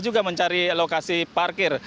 juga mencari lokasi parkir